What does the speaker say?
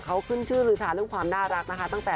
เขาขึ้นชื่อลือชาเรื่องความน่ารักนะคะ